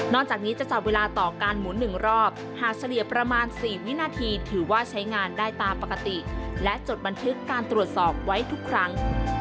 จากนี้จะจับเวลาต่อการหมุน๑รอบหากเฉลี่ยประมาณ๔วินาทีถือว่าใช้งานได้ตามปกติและจดบันทึกการตรวจสอบไว้ทุกครั้ง